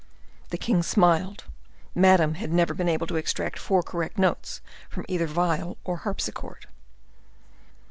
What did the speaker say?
The king smiled. Madame had never been able to extract four correct notes from either viol or harpsichord.